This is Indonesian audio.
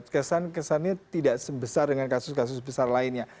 kesan kesannya tidak sebesar dengan kasus kasus besar lainnya